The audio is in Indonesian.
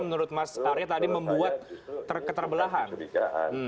menurut saya kayak banyak yang menurut saya